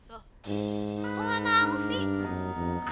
lho kok gak mau sih